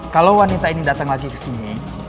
kalau wanita ini datang lagi ke sini